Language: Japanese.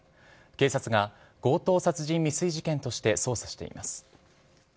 警察が強盗殺人未遂事件として捜査しています。